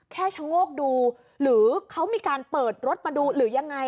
ชะโงกดูหรือเขามีการเปิดรถมาดูหรือยังไง